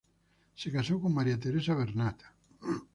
Se casó con María Teresa Bernat.